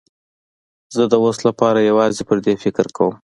زه د اوس لپاره یوازې پر دې فکر کوم.